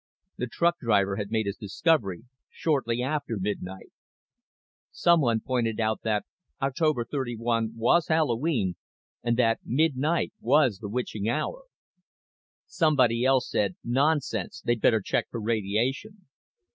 The truck driver had made his discovery shortly after midnight. Someone pointed out that October 31 was Halloween and that midnight was the witching hour. Somebody else said nonsense, they'd better check for radiation.